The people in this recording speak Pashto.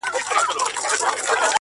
د دربار له دروېشانو سره څه دي؟!